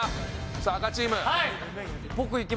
さあ赤チーム。